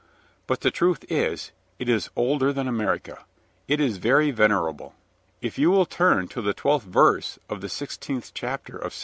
But the truth is, it is older than America; it is very venerable. If you will turn to the twelfth verse of the sixteenth chapter of II.